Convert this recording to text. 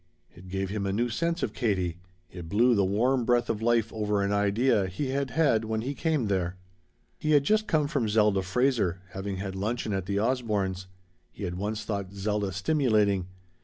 It gave him a new sense of Katie. It blew the warm breath of life over an idea he had had when he came there. He had just come from Zelda Fraser, having had luncheon at the Osbornes'. He had once thought Zelda stimulating.